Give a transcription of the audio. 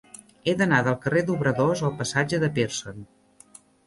He d'anar del carrer d'Obradors al passatge de Pearson.